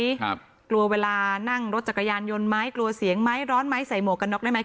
ครับกลัวเวลานั่งรถจักรยานยนต์ไหมกลัวเสียงไหมร้อนไหมใส่หมวกกันน็อกได้ไหม